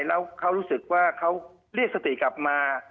แล้วเขารู้สึกว่าเขาเรียกสติกลับมา